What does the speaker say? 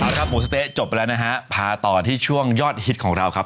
เอาครับหมูสะเต๊ะจบแล้วนะฮะพาต่อที่ช่วงยอดฮิตของเราครับ